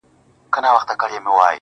o هر گړى خــوشـــالـــه اوســـــــــــې.